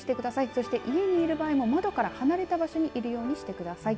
そして家にいる場合も窓から離れた場所にいるようにしてください。